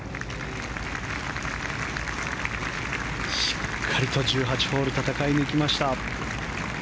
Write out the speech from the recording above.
しっかりと１８ホール戦い抜きました。